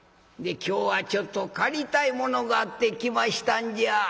今日はちょっと借りたいものがあって来ましたんじゃ」。